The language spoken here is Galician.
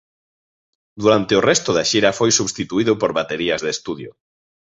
Durante o resto da xira foi substituído por baterías de estudio.